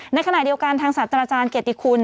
ในขณะเดียวกันทางศาสตราจารย์เกียรติคุณ